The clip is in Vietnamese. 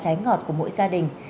cái trái ngọt của mỗi gia đình